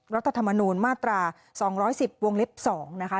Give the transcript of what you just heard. รัฐธรรมนูลมาตรา๒๑๐วงเล็บ๒นะคะ